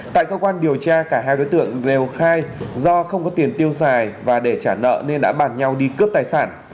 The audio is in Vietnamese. tại cơ quan điều tra cả hai đối tượng đều khai do không có tiền tiêu xài và để trả nợ nên đã bàn nhau đi cướp tài sản